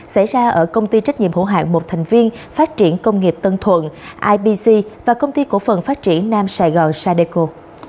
xảy ra ở công ty trách nhiệm hữu hạng một thành viên phát triển công nghiệp tân thuận ibc và công ty cổ phần phát triển nam sài gòn sadeco